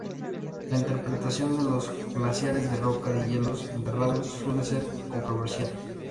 La interpretación de los glaciares de roca y hielos enterrados suele ser controversial.